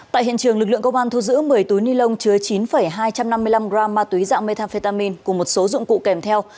tại hiện trường lực lượng công an thu giữ một mươi túi ni lông chứa chín hai trăm năm mươi năm gram ma túy dạng methamphetamine cùng một số dụng cụ kèm theo